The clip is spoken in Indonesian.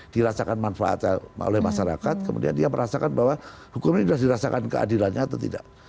dirasakan manfaat oleh masyarakat kemudian dia merasakan bahwa hukum ini sudah dirasakan keadilannya atau tidak